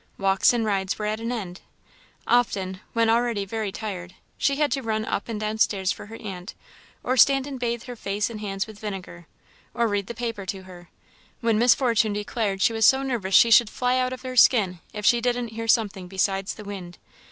Walks and rides were at an end. Often, when already very tired, she had to run up and down stairs for her aunt, or stand and bathe her face and hands with vinegar, or read the paper to her, when Miss Fortune declared she was so nervous she should fly out of her skin if she didn't hear something besides the wind.